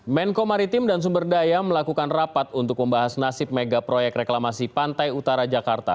menko maritim dan sumber daya melakukan rapat untuk membahas nasib mega proyek reklamasi pantai utara jakarta